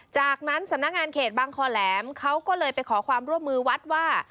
จากนั้นสำนักงานเขตบางคอแหลมเขาก็เลยไปขอความร่วมมือวัดว่า